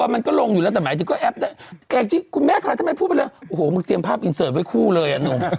มันดำเขานี่แอ๊บเขาอภักดิ์อากาศเลย